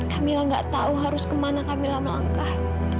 kamilah nggak tahu harus kemana kamilah melangkah